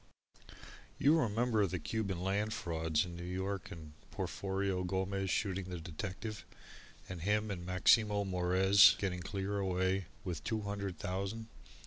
You remember the Cuban Land frauds in New York and Porforio Gomez shooting the detective, and him and Maximo Morez getting clear away with two hundred thousand?